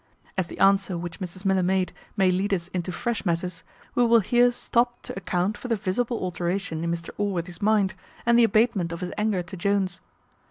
As the answer which Mrs Miller made may lead us into fresh matters, we will here stop to account for the visible alteration in Mr Allworthy's mind, and the abatement of his anger to Jones.